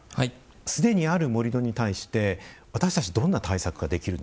すでにある盛土に対して私たちどんな対策ができるんでしょうか。